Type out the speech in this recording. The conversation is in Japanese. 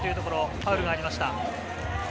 ファウルがありました。